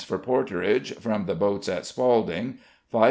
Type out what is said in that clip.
for porterage from the boats at Spalding, 5½d.